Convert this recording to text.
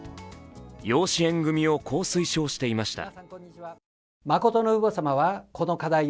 養子縁組をこう推奨していました。